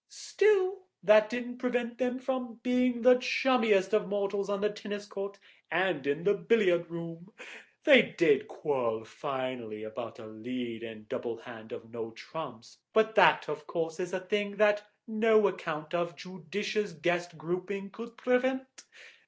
"Still, that didn't prevent them from being the chummiest of mortals on the tennis court and in the billiard room. They did quarrel finally, about a lead in a doubled hand of no trumps, but that of course is a thing that no account of judicious guest grouping could prevent.